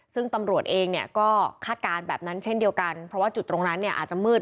ซึ่งตำรวจเองเนี่ยก็คาดการณ์แบบนั้นเช่นเดียวกันเพราะว่าจุดตรงนั้นเนี่ยอาจจะมืด